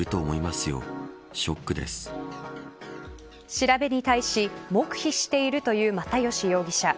調べに対し黙秘しているという又吉容疑者。